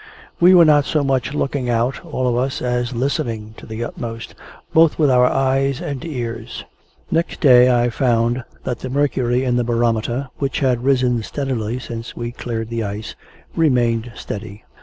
We were not so much looking out, all of us, as listening to the utmost, both with our eyes and ears. Next day, I found that the mercury in the barometer, which had risen steadily since we cleared the ice, remained steady.